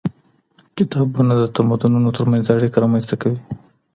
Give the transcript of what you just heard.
کتابونه د تمدنونو ترمنځ اړيکه رامنځته کوي.